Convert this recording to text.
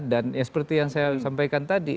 dan seperti yang saya sampaikan tadi